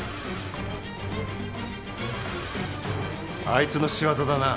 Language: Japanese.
あいつの仕業だな。